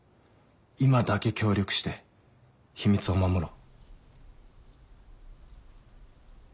今だけ協力して秘密を守ろう。